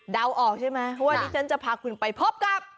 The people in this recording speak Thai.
เดาออกใช่ไหมว่านี้ฉันจะพาคุณไปพบได้กับ